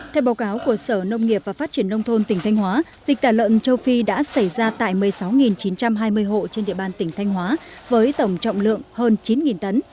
theo báo cáo của sở nông nghiệp và phát triển nông thôn tỉnh thanh hóa dịch tả lợn châu phi đã xảy ra tại một mươi sáu chín trăm hai mươi hộ trên địa bàn tỉnh thanh hóa với tổng trọng lượng hơn chín tấn